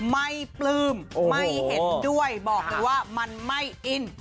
ปลื้มไม่เห็นด้วยบอกเลยว่ามันไม่อิน